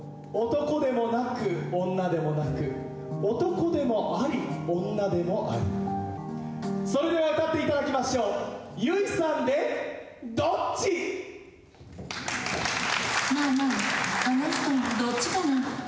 男でもなく女でもなく男でもあり女でもあるそれでは歌っていただきましょう悠以さんで「Ｄｏｃｃｈｉ？！」なぁなぁ、あの人、どっちかな？